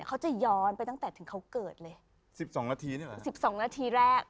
แล้วพออามาก็แบบ